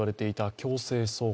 強制送還